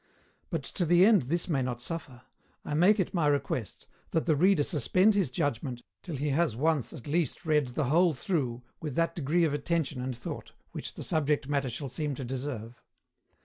But, to the end this may not suffer, I make it my request that the reader suspend his judgment till he has once at least read the whole through with that degree of attention and thought which the subject matter shall seem to deserve.